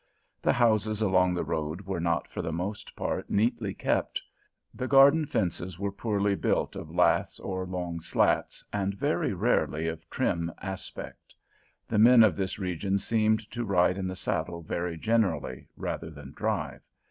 The houses along the road were not for the most part neatly kept; the garden fences were poorly built of laths or long slats, and very rarely of trim aspect. The men of this region seemed to ride in the saddle very generally, rather than drive.